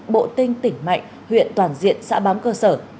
bộ tinh tỉnh mạnh huyện toàn diện xã bám cơ sở